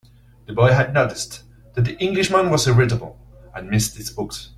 The boy had noticed that the Englishman was irritable, and missed his books.